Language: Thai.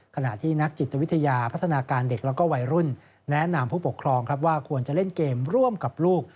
ขณะที่นักจิตวิทยาพัฒนาการเด็กและวัยรุ่นแนะนำผู้ปกครองครับว่าควรจะเล่นเกมร่วมกับลูก